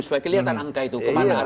supaya kelihatan angka itu